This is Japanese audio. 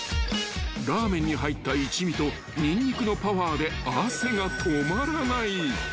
［ラーメンに入った一味とニンニクのパワーで汗が止まらない］